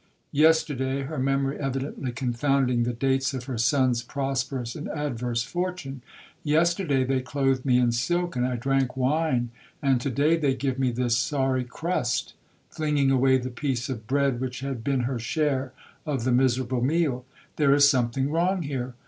Yesterday,—(her memory evidently confounding the dates of her son's prosperous and adverse fortune), yesterday they clothed me in silk, and I drank wine, and to day they give me this sorry crust,—(flinging away the piece of bread which had been her share of the miserable meal),—there is something wrong here.